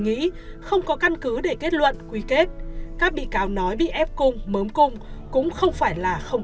nghĩ không có căn cứ để kết luận quy kết các bị cáo nói bị ép cung mớm cung cũng không phải là không